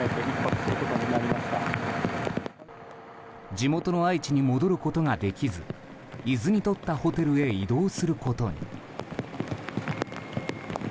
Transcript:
地元の愛知に戻ることができず伊豆にとったホテルに移動することに。